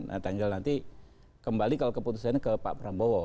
nah tanggal nanti kembali kalau keputusannya ke pak prabowo